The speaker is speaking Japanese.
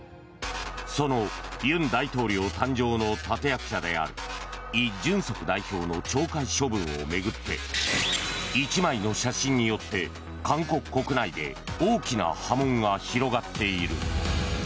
その尹大統領誕生の立役者であるイ・ジュンソク代表の懲戒処分を巡って１枚の写真によって韓国国内で大きな波紋が広がっている。